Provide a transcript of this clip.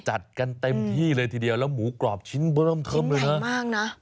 จัดกันเต็มที่เลยทีเดียวแล้วหมูกรอบชิ้นบัรมากมากเลยฮะ